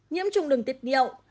nhiễm trùng đường tiết niệu